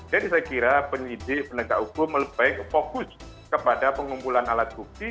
jadi saya kira penyidik penegak hukum lebih baik fokus kepada pengumpulan alat bukti